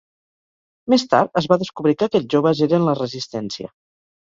Més tard, es va descobrir que aquells joves eren la resistència.